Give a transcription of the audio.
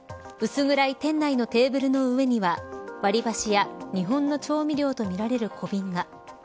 薄暗い店内のテーブルの上には割り箸や日本の調味料とみられる小瓶が。